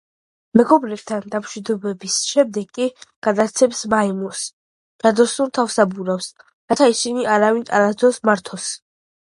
მეგობრებთან დამშვიდობების შემდეგ იგი გადასცემს მაიმუნებს ჯადოსნურ თავსაბურავს, რათა ისინი არავინ არასოდეს მართოს.